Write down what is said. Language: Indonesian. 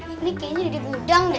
ini kayaknya jadi gudang deh